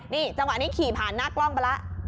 นี่จังหวะนี้ขี่ผ่านหน้ากล้องไปแล้ว